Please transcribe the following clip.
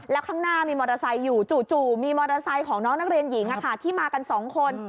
แล้วข้างหน้ามีมอเตอร์ไซค์อยู่จู่มีมอเตอร์ไซค์ของน้องนักเรียนหญิงที่มากัน๒คน